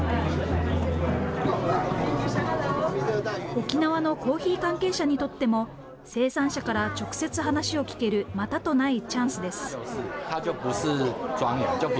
沖縄のコーヒー関係者にとっても、生産者から直接話を聞けるまたとないチャンスです。